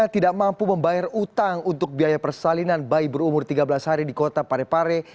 tidak mampu membayar utang untuk biaya persalinan bayi berumur tiga belas hari di kota parepare